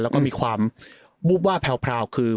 แล้วก็มีความวูบวาบแพรวคือ